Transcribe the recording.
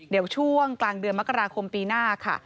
เดี๋ยวช่วงกลางเดือนมกราคมปีหน้าค่ะ